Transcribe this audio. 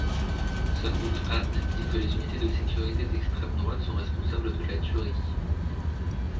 Sunghoon Han dit que des unités de sécurité d'extrême-droite sont responsables de la tuerie.